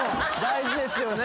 大事ですよね。